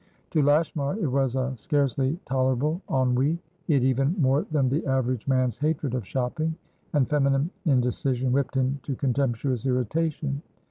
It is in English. To Lashmar it was a scarcely tolerable ennui; he had even more than the average man's hatred of shopping, and feminine indecision whipped him to contemptuous irritation.